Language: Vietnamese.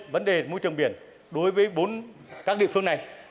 vấn đề môi trường biển đối với bốn các địa phương này